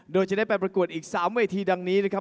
โดยจะได้ไปประกวดอีก๓เวทีดังนี้นะครับ